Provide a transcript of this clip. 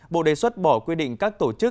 bộ đề xuất bỏ quy định các tổ chức